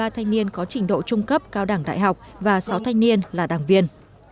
hai trăm một mươi ba thanh niên có trình độ trung cấp cao đẳng đại học và sáu thanh niên là đảng viên